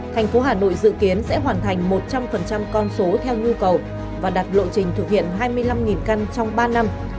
thành phố hà nội dự kiến sẽ hoàn thành một trăm linh con số theo nhu cầu và đạt lộ trình thực hiện hai mươi năm căn trong ba năm